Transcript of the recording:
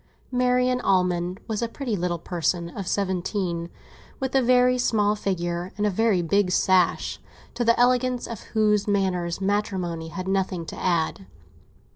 Marian Almond was a pretty little person of seventeen, with a very small figure and a very big sash, to the elegance of whose manners matrimony had nothing to add.